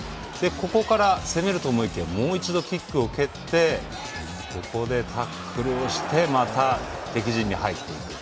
ここから攻めると思いきやもう一度、キックを蹴ってここでタックルをしてまた、敵陣に入っていく。